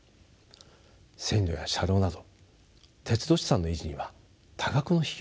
線路や車両など鉄道資産の維持には多額の費用がかかります。